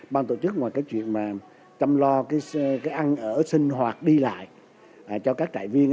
ban tổ chức ngoài cái chuyện mà chăm lo cái ăn ở sinh hoạt đi lại cho các trại viên